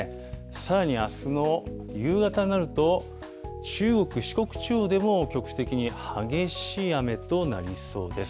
さらにあすの夕方になると、中国、四国地方でも局地的に激しい雨となりそうです。